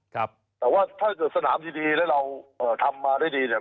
ครับแต่ว่าถ้าเกิดสนามดีดีแล้วเราเอ่อทำมาได้ดีเนี่ย